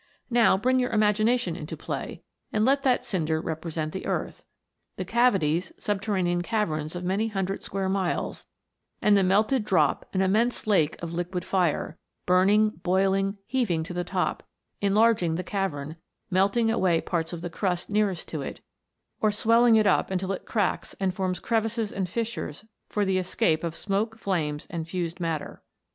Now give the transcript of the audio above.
Now bring your imagination into play, and let that cinder represent the earth; the cavities subterra nean caverns of many hundred square miles, and the melted drop an immense lake of liquid fire, burning, boiling, heaving to the top, enlarging the cavern, melting away parts of the crust nearest to it, or swelling it up until it cracks, and forms cre vices and fissures for the escape of smoke, flames, and fused matter.